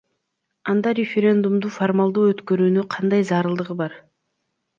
Анда референдумду формалдуу өткөрүүнүн кандай зарылдыгы бар?